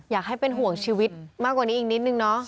อยากให้เป็นห่วงชีวิตมากกว่านี้อีกนิดนึงเนาะ